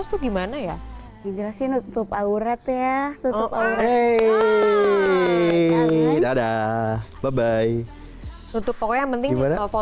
jadi kita pake hijab rilek karna bisa kita sukses aja atau ngisi udah ada perkembangan